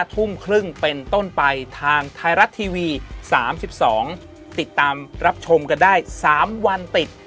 ทุ่มครึ่งเป็นต้นไปทางไทยรัฐทีวี๓๒ติดตามรับชมกันได้๓วันติด